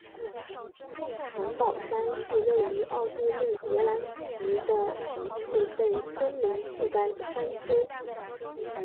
城堡山是位于奥地利格拉兹的一处被森林覆盖的山丘。